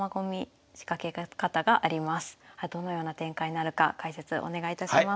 どのような展開になるか解説お願いいたします。